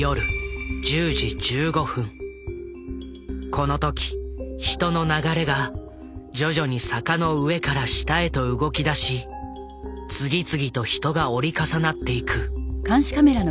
この時人の流れが徐々に坂の上から下へと動きだし次々と人が折り重なっていく。